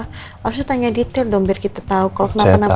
harusnya tanya detail dong biar kita tau kalo kenapa kenapa